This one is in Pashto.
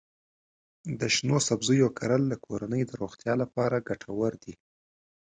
د شنو سبزیو کرل د کورنۍ د روغتیا لپاره ګټور دي.